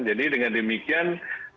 jadi dengan demikian